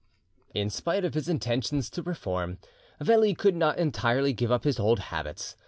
Ire spite of his intentions to reform, Veli could not entirely give up his old habits.